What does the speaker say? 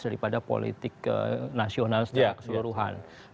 daripada politik nasional secara keseluruhan